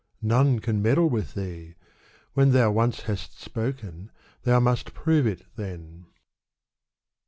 none can meddle with thee. When Thou once hast spoken, thou must prove it then.